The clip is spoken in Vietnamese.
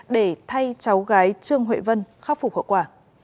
để thay cháu gái trương huệ vân khắc phục hậu quả